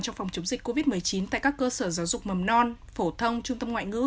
trong phòng chống dịch covid một mươi chín tại các cơ sở giáo dục mầm non phổ thông trung tâm ngoại ngữ